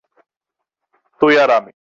তুই আর আমি।